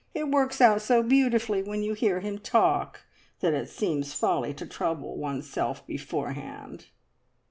It works out so beautifully when you hear him talk, that it seems folly to trouble oneself beforehand."